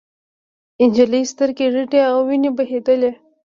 نجلۍ سترګې رډې او وینې بهېدلې.